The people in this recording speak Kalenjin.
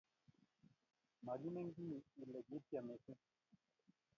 makimen kiy ile kiityem mising,